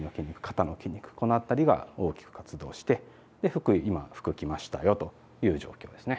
この辺りが大きく活動して今服着ましたよという状況ですね。